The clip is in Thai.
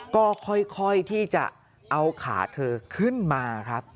ก็ค่อยที่จะเอาขาเธอขึ้นมาครับ